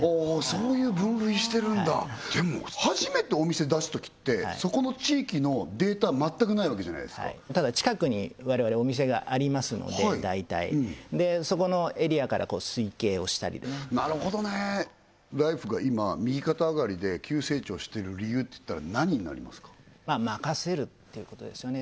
そういう分類してるんだでも初めてお店出すときってそこの地域のデータ全くないわけじゃないですかただ近くに我々お店がありますので大体そこのエリアから推計をしたりなるほどねライフが今右肩上がりで急成長してる理由っていったら何になりますか任せるっていうことですよね